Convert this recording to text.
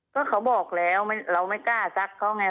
ก็เขาบอกแล้วเราไม่กล้าซักเขาไง